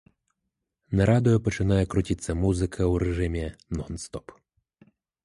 На радыё пачынае круціцца музыка ў рэжыме нон-стоп.